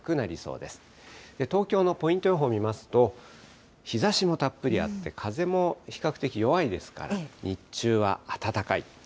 東京のポイント予報見ますと、日ざしもたっぷりあって、風も比較的弱いですから、日中は暖かい。